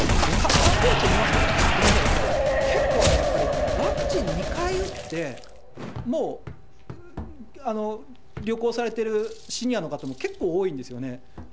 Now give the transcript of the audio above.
観光地を見ますとね、ごめんなさいね、結構やっぱり、ワクチン２回打って、もう、旅行されているシニアの方も、結構多いんですよね。